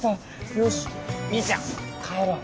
よしミーちゃん帰ろう。